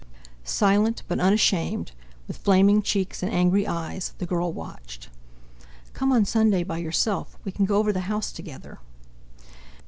Silent but unashamed, with flaming cheeks and angry eyes, the girl watched. "Come on Sunday by yourself—We can go over the house together."